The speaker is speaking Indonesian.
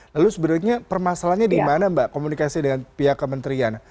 lalu sebenarnya permasalahannya dimana mbak komunikasi dengan pihak kementerian